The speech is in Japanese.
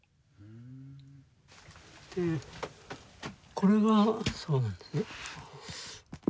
これがそうなんですね。